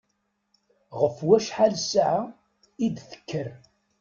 Ɣef wacḥal ssaɛa i d-tekker?